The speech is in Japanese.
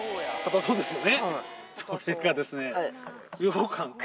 そうですね。